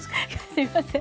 すいません。